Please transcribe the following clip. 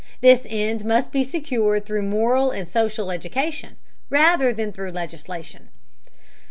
This end must be secured through moral and social education, rather than through legislation.